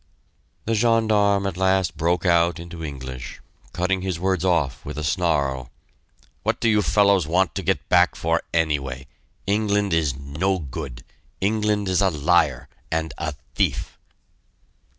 The gendarme at last broke out into English, cutting his words off with a snarl: "What do you fellows want to get back for anyway? England is no good! England is a liar, and a thief."